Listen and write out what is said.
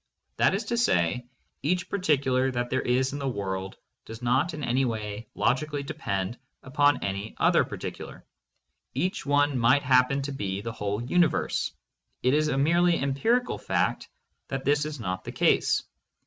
That is to say, each particular that there is in the world does not in any way logically depend upon any other particular. Each one might happen to be the whole universe; it is a merely empirical fact that this is not the case.